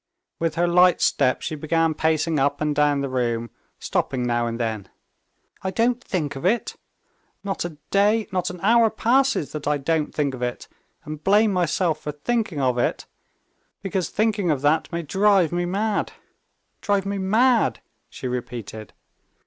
With her light step she began pacing up and down the room, stopping now and then. "I don't think of it? Not a day, not an hour passes that I don't think of it, and blame myself for thinking of it ... because thinking of that may drive me mad. Drive me mad!" she repeated.